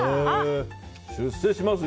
出世しますよ！